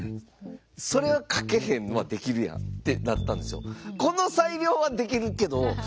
「それはかけへんのはできるやん」ってなったんですよ。